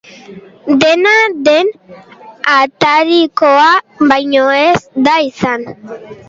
Dena den, atarikoa baino ez da izan.